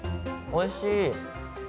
おいしい。